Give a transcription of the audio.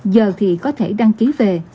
giờ thì có thể đăng ký về